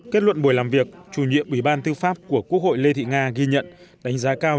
kết luận buổi làm việc chủ nhiệm ủy ban tư pháp của quốc hội lê thị nga ghi nhận đánh giá cao